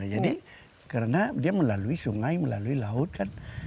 jadi karena dia melalui sungai melalui laut kan